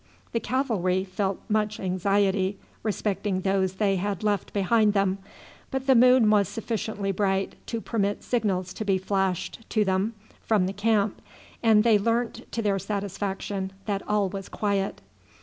The cavalry felt much anxiety respecting those they had left behind them; but the moon was sufficiently bright to permit signals to be flashed to them from the camp, and they learnt to their satisfaction that all was quiet.